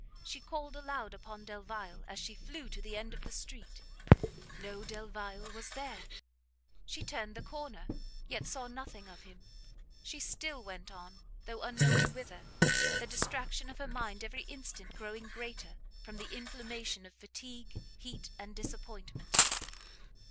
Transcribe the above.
She called aloud upon Delvile as she flew to the end of the street. No Delvile was there! she turned the corner; yet saw nothing of him; she still went on, though unknowing whither, the distraction of her mind every instant growing greater, from the inflammation of fatigue, heat, and disappointment.